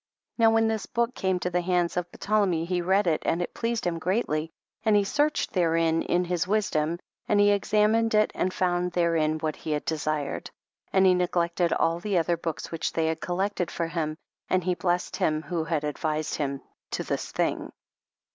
Now when this book came to tlie hands of Ptolemy he read it and it pleased him greatly, and he searched therein in his wisdom, and he examined it and found therein what he had desired, and he neglected all the other books which they had collected for him, and he blessed him who had advised him to this thing.